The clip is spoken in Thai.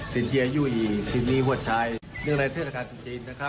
สินเจียยู่อีชินมีวัดชัยเรื่องในเทศกาลจีนนะครับ